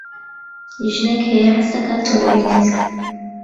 ژنێک هەیە حەز دەکات تۆ ببینێت.